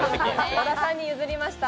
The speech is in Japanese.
小田さんに譲りました。